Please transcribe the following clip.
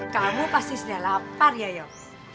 kamu pasti sudah lapar ya yuk